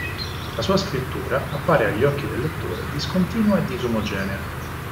La sua scrittura appare agli occhi del lettore discontinua e disomogenea.